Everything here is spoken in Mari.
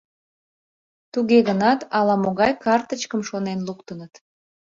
Туге гынат ала-могай картычкым шонен луктыныт.